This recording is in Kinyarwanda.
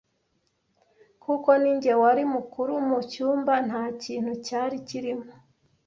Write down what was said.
kuko ninjye wari mukuru mu cyumba ntakintu cyari cyirimo